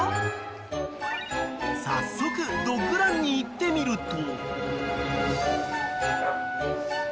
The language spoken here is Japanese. ［早速ドッグランに行ってみると］